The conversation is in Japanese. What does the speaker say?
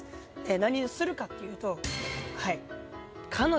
何するかっていうと。